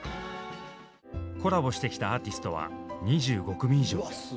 コラボしてきたアーティストは２５組以上。